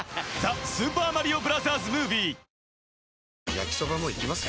焼きソバもいきます？